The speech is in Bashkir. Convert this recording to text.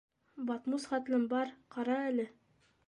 Батмус хәтлем бар, ҡара әле!